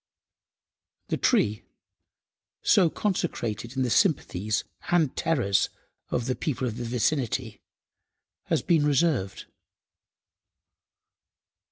The tree, so consecrated in the sympathies and terrors of the people of the vicinity, has been preserved.